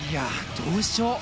どうしよう。